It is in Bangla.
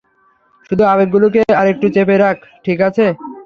শুধু আবেগগুলোকে আর একটু চেপে রাখ, ঠিক আছে?